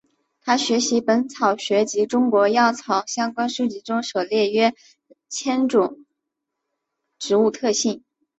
他学习本草学及中国药草相关书籍中所列约两千种植物特性。